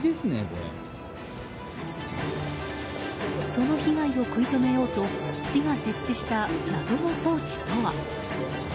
その被害を食い止めようと市が設置した謎の装置とは？